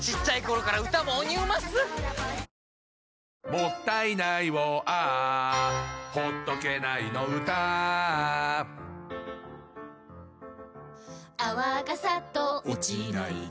「もったいないをＡｈ」「ほっとけないの唄Ａｈ」「泡がサッと落ちないと」